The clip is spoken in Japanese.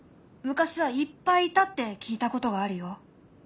昔はいっぱいいたって聞いたことがあるよ。